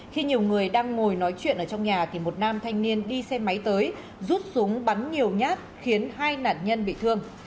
khi nhiều người đang ngồi nói chuyện ở trong nhà thì một nam thanh niên đi xe máy tới rút súng bắn nhiều nhát khiến hai nạn nhân bị thương